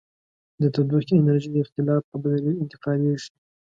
د تودوخې انرژي د اختلاف په دلیل انتقالیږي.